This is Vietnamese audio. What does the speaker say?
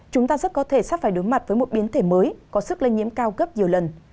chúng ta rất có thể sắp phải đối mặt với một biến thể mới có sức lây nhiễm cao gấp nhiều lần